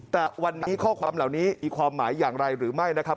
แต่วันนี้ข้อความเหล่านี้มีความหมายอย่างไรหรือไม่นะครับ